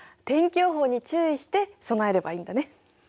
天気予報に注意して備えればいいんだね。